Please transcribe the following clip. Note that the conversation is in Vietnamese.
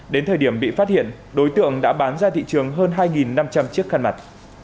đến thời điểm bị phát hiện đối tượng đã bán ra thị trường hơn hai năm trăm linh chiếc khăn mặt